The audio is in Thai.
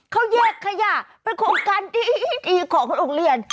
เขาแยกขยะเป็นโครงการดีของโรงเรียน